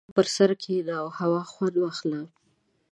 • د بام پر سر کښېنه او هوا خوند واخله.